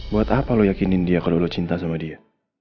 buat apa lo yakinin dia kalau lo cinta sama dia